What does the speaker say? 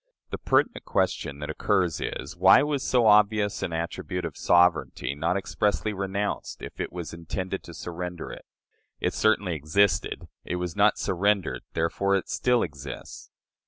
The pertinent question that occurs is, Why was so obvious an attribute of sovereignty not expressly renounced if it was intended to surrender it? It certainly existed; it was not surrendered; therefore it still exists.